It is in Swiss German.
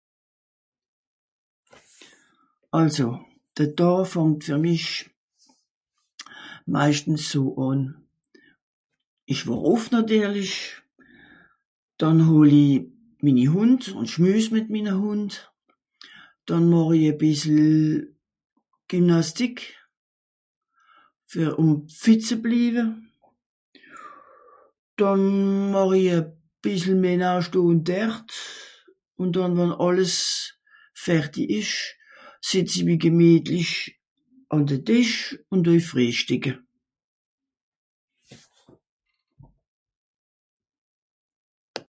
Àlso, de Dàà fàngt fer mich meischtens so àn : ìch wàch ùff nàtirlisch, dànn hol i minni Hùnd ùn schmüs mìt minne Hùnd, dànn màch i e bìssel Gymnàstik, fer... ùm fit ze bliwe. Dànn màch i e bìssel Ménage do ùn dert ùn dànn wann àlles ferti ìsch setz i mi gemìetlich àn de Tìsch ùn due frìehstìcke.